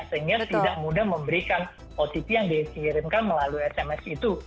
sehingga tidak mudah memberikan otp yang dikirimkan melalui sms itu